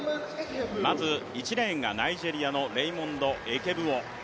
まず１レーンがナイジェリアのレイモンド・エケブウォ。